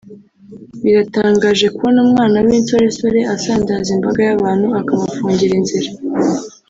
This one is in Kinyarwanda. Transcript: Biratangaje kubona umwana w’insoresore asandaza imbaga y’abantu akabafungira inzira